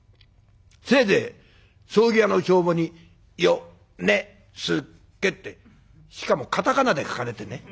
せいぜい葬儀屋の帳簿に「ヨネスケ」ってしかもカタカナで書かれてね